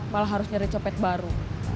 malah harus nyari copet baru